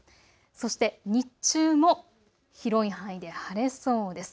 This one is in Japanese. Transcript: そして日中も広い範囲で晴れそうです。